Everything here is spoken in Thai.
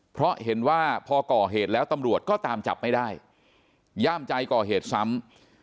เพราะเห็นว่าพอก่อเหตุแล้วตำรวจก็ตามจับไม่ได้ย่ามใจก่อเหตุซ้ำ